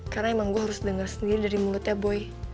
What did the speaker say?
karena emang gue harus denger sendiri dari mulutnya boy